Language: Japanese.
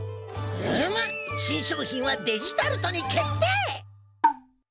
うむ新商品はデジタルトに決定！